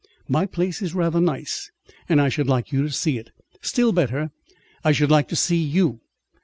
My place is rather nice, and I should like you to see it. Still better, I should like to see you.